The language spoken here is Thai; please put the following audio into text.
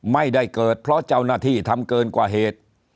ไม่ได้เกิดเพราะเจ้าหน้าที่ทำเกินกว่าเหตุ